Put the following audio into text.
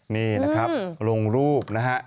นี่นะครับลงรูปนะฮะ